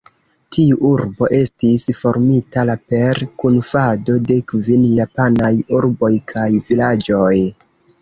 Tiu urbo estis formita la per kunfando de kvin japanaj urboj kaj vilaĝoj.